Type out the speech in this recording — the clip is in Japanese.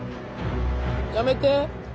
やめて。